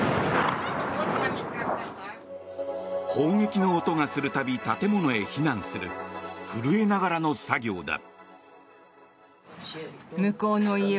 砲撃の音がする度建物に避難する震えながらの作業だ。